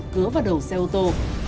cứa vào đầu xe ô tô